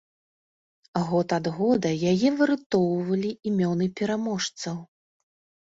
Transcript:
Год ад года яе выратоўвалі імёны пераможцаў.